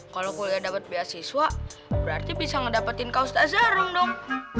kalau kuliah dapet biaya siswa berarti bisa ngedapetin kaustazah rom dong